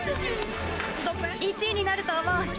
１位になると思う。